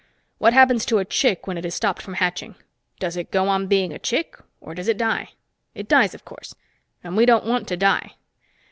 What happens to a chick when it is stopped from hatching? Does it go on being a chick, or does it die? It dies, of course. And we don't want to die.